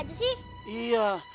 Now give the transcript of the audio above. lagian sama tetangga tuh